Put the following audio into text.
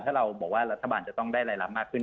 ถ้าเราบอกว่ารัฐบาลจะต้องได้รายรับมากขึ้น